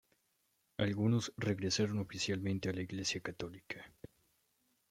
Algunos regresaron oficialmente a la Iglesia católica.